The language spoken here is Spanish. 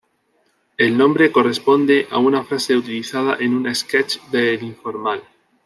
El nombre corresponde a una frase utilizada en un sketch de El Informal.